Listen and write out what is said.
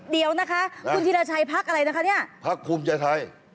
เดี๋ยวนะคะคุณธินาชัยภักร์อะไรนะคะ